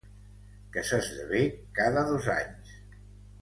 Que s'esdevé cada dos anys.